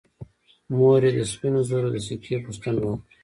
مور یې د سپینو زرو د سکې پوښتنه وکړه.